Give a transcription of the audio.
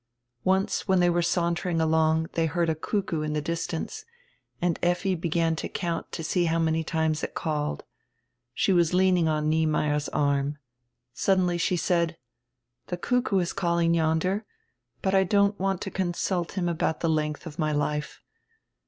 Once when they were sauntering along they heard a cuckoo in die distance, and Effi began to count to see how many times it called. She was leaning on Niemeyer's arm. Suddenly she said: "The cuckoo is calling yonder, but I don't want to consult him about die lengdi of my life.